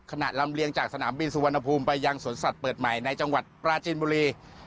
ลำเลียงจากสนามบินสุวรรณภูมิไปยังสวนสัตว์เปิดใหม่ในจังหวัดปราจินบุรี